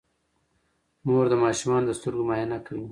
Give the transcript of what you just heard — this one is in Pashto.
مور د ماشومانو د سترګو معاینه کوي.